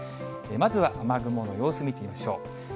まずは雨雲の様子、見てみましょう。